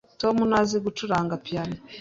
Tom ntazi gucuranga piyano.